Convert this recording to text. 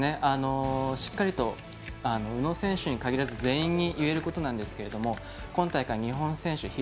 しっかりと宇野選手に限らず全員にいえることなんですが今大会、日本選手